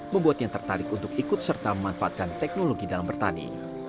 membuatnya tertarik untuk ikut serta memanfaatkan teknologi dalam bertani